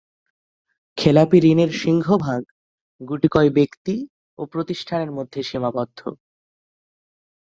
খেলাপি ঋণের সিংহভাগ গুটিকয় ব্যক্তি ও প্রতিষ্ঠানের মধ্যে সীমাবদ্ধ।